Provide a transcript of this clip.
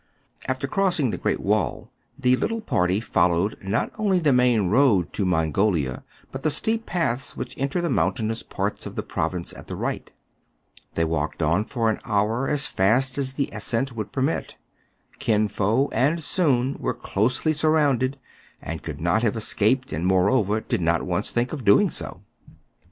After crossing the Great Wall, the little party followed, not only the main road to Mongolia, but the steep paths which enter the mountainous part of the pro^dnce at the right. They walked on for an hour as fast as the ascent would permit. Kin Fo and Soun were closely surrounded, and could not have escaped, and, moreover, did not once think of doing so.